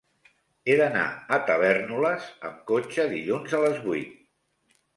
He d'anar a Tavèrnoles amb cotxe dilluns a les vuit.